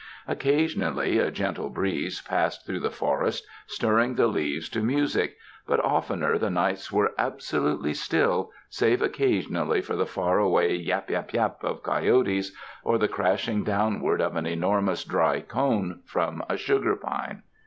Occasionally a gentle breeze passed through the forest stirring the leaves to music; but oftener the nights were absolutely still, save occasionally for the faraway yap yap yap of coyotes, or the crashing downward of an enormous dry cone from a sugar pine.